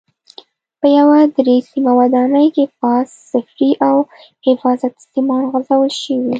په یوه درې سیمه ودانۍ کې فاز، صفري او حفاظتي سیمان غځول شوي.